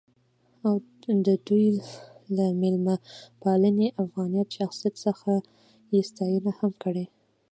او د دوي له میلمه پالنې ،افغانيت ،شخصیت څخه يې ستاينه هم کړې.